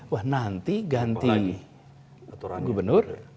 wah nanti ganti gubernur